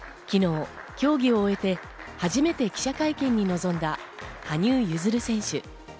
昨日、競技を終えて初めて記者会見に臨んだ羽生結弦選手。